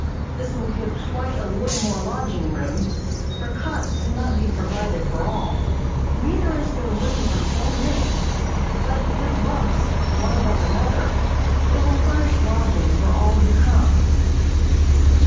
This will give quite a little more lodging room, for cots cannot be provided for all, neither is there room for so many, but with bunks, one above another, it will furnish lodgings for all who come.